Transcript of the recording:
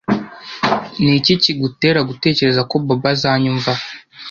Niki kigutera gutekereza ko Bobo azanyumva?